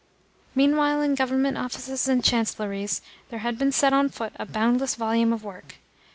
Meanwhile in Government offices and chancellories there had been set on foot a boundless volume of work.